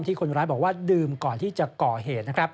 ที่คนร้ายบอกดื่มก่อนที่จะก่อเหตุ